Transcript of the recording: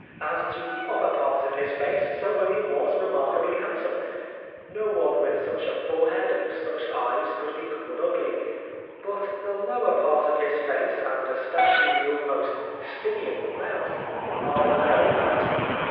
As to the upper part of his face. Sir William was remarkably handsome. No one with such a forehead and such eyes could be called ugly. But the lower part of his face and especially the almost simian mouth are very bad.